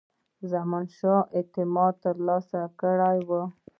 زمانشاه اعتماد ترلاسه کړی وو.